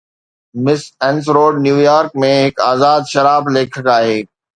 مس اينسروڊ New York ۾ هڪ آزاد شراب ليکڪ آهي